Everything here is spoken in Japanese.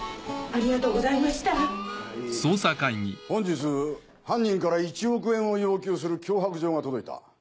本日犯人から１億円を要求する脅迫状が届いた。